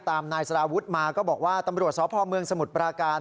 นายสารวุฒิมาก็บอกว่าตำรวจสพเมืองสมุทรปราการ